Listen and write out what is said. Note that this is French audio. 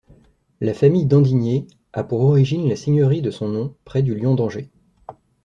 La famille d'Andigné a pour origine la seigneurie de son nom, près du Lion-d'Angers.